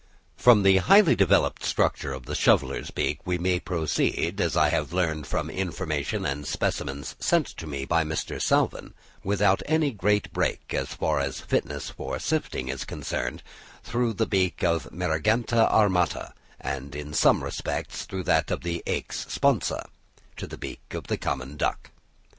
From the highly developed structure of the shoveller's beak we may proceed (as I have learned from information and specimens sent to me by Mr. Salvin), without any great break, as far as fitness for sifting is concerned, through the beak of the Merganetta armata, and in some respects through that of the Aix sponsa, to the beak of the common duck.